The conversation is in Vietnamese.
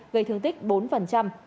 gây thương tích bốn